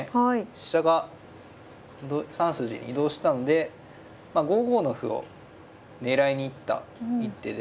飛車が３筋に移動したので５五の歩を狙いに行った一手で。